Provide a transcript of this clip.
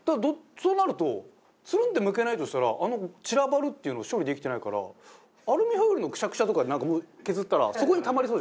そうなるとツルン！ってむけないとしたらあの散らばるっていうのが処理できてないからアルミホイルのくしゃくしゃとかで削ったらそこにたまりそう。